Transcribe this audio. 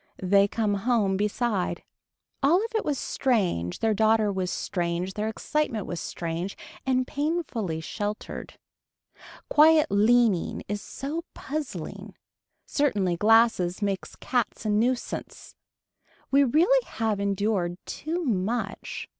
They come home beside. All of it was strange, their daughter was strange, their excitement was strange and painfully sheltered. Quiet leaning is so puzzling. Certainly glasses makes cats a nuisance. We really have endured too much.